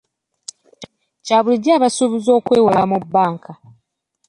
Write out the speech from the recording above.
Kya bulijjo abasuubuuzi okwewola mu banka?